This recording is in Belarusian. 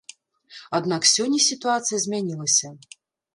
Аднак сёння сітуацыя змянілася.